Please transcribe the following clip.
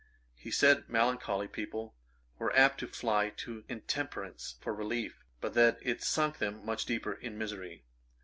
He said melancholy people were apt to fly to intemperance for relief, but that it sunk them much deeper in misery.